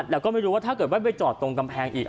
แล้วก็ไม่รู้ว่าถ้าเกิดว่าไปจอดตรงกำแพงอีก